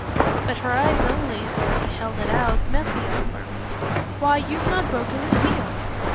But her eyes only though he held it out met the offer. "Why you've not broken the seal!"